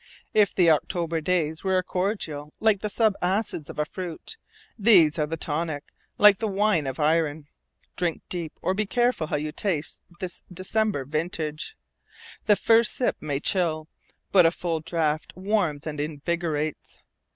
If the October days were a cordial like the sub acids of a fruit, these are a tonic like the wine of iron. Drink deep, or be careful how you taste this December vintage. The first sip may chill, but a full draught warms and invigorates.